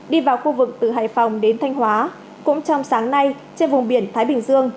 đi vào khu vực từ hải phòng đến thanh hóa cũng trong sáng nay trên vùng biển thái bình dương